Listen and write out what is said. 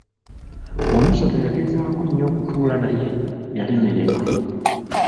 Wamusota yagezaako nnyo okutuula naye yalemererwa.